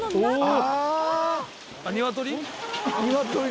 ニワトリ？